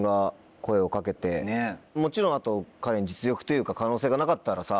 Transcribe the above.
もちろんあと彼に実力というか可能性がなかったらさ。